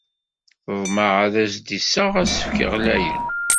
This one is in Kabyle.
Teḍmeɛ ad as-d-iseɣ asefk ɣlayen.